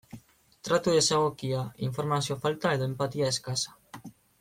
Tratu desegokia, informazio falta edo enpatia eskasa.